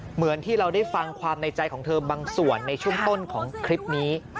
เหมือนที่เราได้ฟังความในใจของเธอบางส่วนในช่วงต้นของคลิปนี้